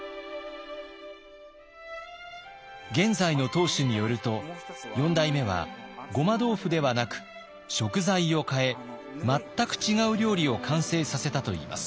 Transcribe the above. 現在の当主によると４代目はごま豆腐ではなく食材を変え全く違う料理を完成させたといいます。